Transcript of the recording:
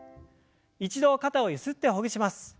一度肩をゆすってほぐします。